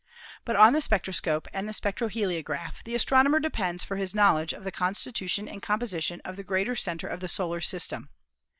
But on the spectroscope and the spectroheliograph the astrono mer depends for his knowledge of the constitution and composition of the great center of the solar system.